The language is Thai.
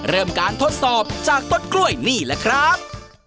เริ่มการทดสอบจากต้นกล้วยนี่แหละครับ